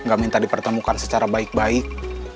gak minta dipertemukan secara baik baik